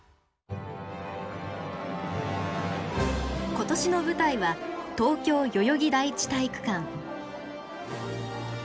今年の舞台は東京代々木第一体育館。